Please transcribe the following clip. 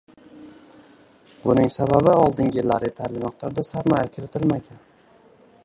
Buning sababi, oldingi yillarda etarli miqdorda sarmoya kiritilmagan